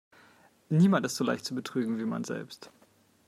Niemand ist so leicht zu betrügen, wie man selbst.